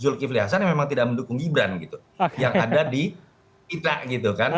zulkifli hasan memang tidak mendukung gibran yang ada di pitak